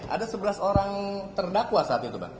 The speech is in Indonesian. ada sebelas orang terdakwa saat itu pak